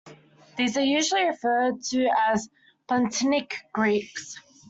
These are usually referred to as Pontic Greeks.